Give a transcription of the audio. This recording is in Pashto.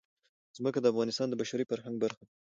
ځمکه د افغانستان د بشري فرهنګ برخه ده.